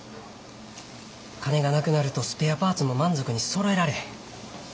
金がなくなるとスペアパーツも満足にそろえられへん。